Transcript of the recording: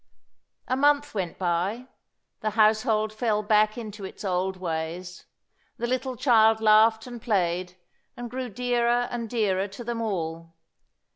A month went by. The household fell back into its old ways. The little child laughed and played, and grew dearer and dearer to them all.